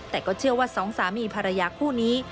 แต่ก็เชื่อว่าสองสามีภรรยาคู่นี้